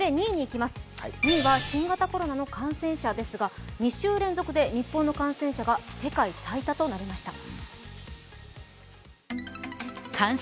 ２位は新型コロナの感染者ですが、２週連続で日本の感染者が世界最多となりました。